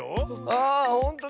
ああっほんとだ！